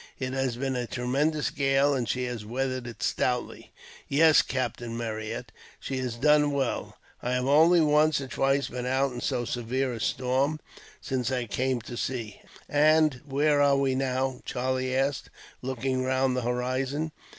It has been a tremendous gale, and she has weathered it stoutly." "Yes, Captain Marryat, she has done well. I have only once or twice been out in so severe a storm, since I came to sea." "And where are we now?" Charlie asked, looking round the horizon.